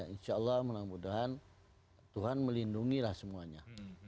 insya allah tuhan melindungilah semuanya